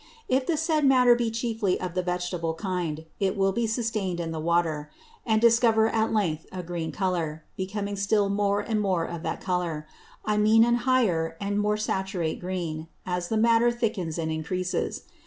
If the said Matter be chiefly of the Vegetable kind, it will be sustain'd in the Water; and discover at length a green Colour, becoming still more and more of that Colour, I mean an higher and more saturate Green, as the Matter thickens and encreases.